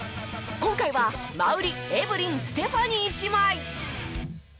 今回は馬瓜エブリンステファニー姉妹。